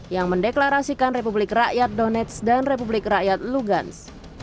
yang mendeklarasikan republik rakyat donetsk dan republik rakyat lugansk